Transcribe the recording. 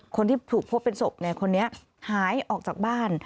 คนที่ถูกพบเป็นศพคนนี้หายออกจากบ้าน